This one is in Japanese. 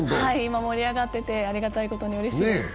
盛り上がっていてありがたいことでうれしいです。